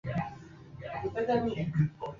Sifa zikurudie bwana.